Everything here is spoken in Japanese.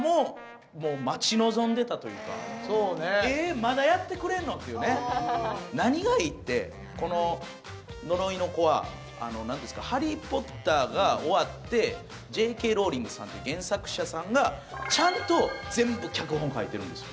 まだやってくれんの？っていうね何がいいってこの「呪いの子」は何ですか「ハリー・ポッター」が終わってＪ．Ｋ．ローリングさんっていう原作者さんがちゃんと全部脚本書いてるんですよ